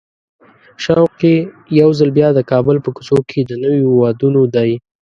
شوق یې یو ځل بیا د کابل په کوڅو کې د نویو وادونو دی.